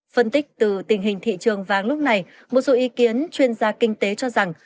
phân tích từ tình hình thị trường vàng lúc này một số ý kiến chuyên gia kinh tế cho rằng